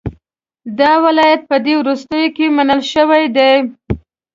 دا ولایت په دې وروستیو کې منل شوی دی.